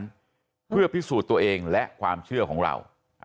เพื่อพิสูจน์ตัวเองและความเชื่อของเรา